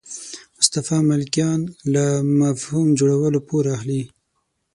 مصطفی ملکیان له مفهوم جوړولو پور اخلي.